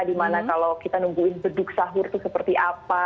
dimana kalau kita nungguin beduk sahur itu seperti apa